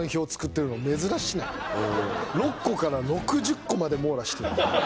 ６個から６０個まで網羅してる。